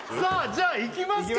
じゃあいきますか！